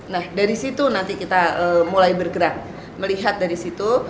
nah dari situ nanti kita mulai bergerak melihat dari situ